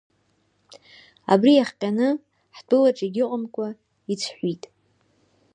Абри иахҟьаны ҳтәылаҿ егьыҟамкәа ицәҳәит…